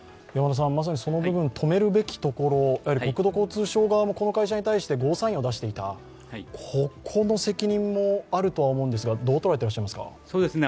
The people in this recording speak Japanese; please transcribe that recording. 止めるべきところ、国土交通省側もこの会社に対してゴーサインを出していた、ここの責任もあるとは思うんですが、どう捉えてらっしゃいますか？